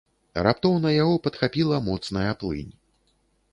Раптоўна яго падхапіла моцная плынь.